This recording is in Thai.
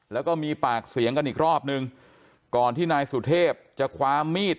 แล้วก็มีปากเสียงกันอีกรอบนึงก่อนที่นายสุเทพจะคว้ามีด